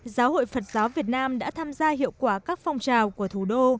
giáo hội phật giáo việt nam đã tham gia hiệu quả các phong trào của thủ đô